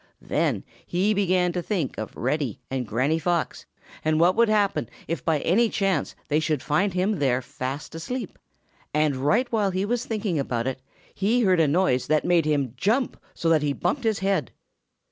Then he began to think of Reddy and Granny Fox and what would happen if by any chance they should find him there fast asleep, and right while he was thinking about it, he heard a noise that made him jump so that he bumped his head.